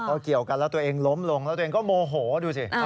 พอเกี่ยวกันแล้วตัวเองล้มลงแล้วตัวเองก็โมโหดูสิ